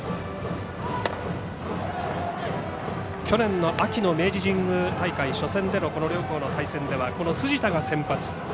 去年の秋の明治神宮大会初戦のこの両校の対戦ではこの辻田が先発。